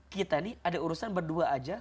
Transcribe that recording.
kita nih ada urusan berdua aja